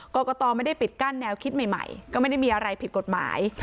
กรกตไม่ได้ปิดกั้นแนวคิดใหม่ก็ไม่ได้มีอะไรผิดกฎหมาย